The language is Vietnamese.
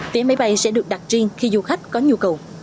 vé máy bay sẽ được đặt riêng khi du khách có nhu cầu